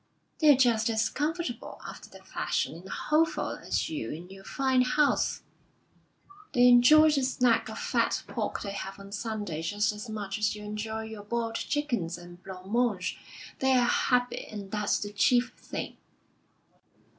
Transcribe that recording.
They're just as comfortable, after their fashion, in a hovel as you in your fine house; they enjoy the snack of fat pork they have on Sunday just as much as you enjoy your boiled chickens and blanc manges. They're happy, and that's the chief thing."